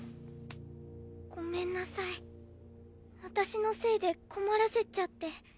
ごめんなさい私のせいで困らせちゃって。